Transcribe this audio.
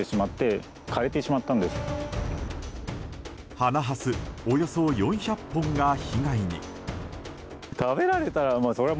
花ハスおよそ４００本が被害に。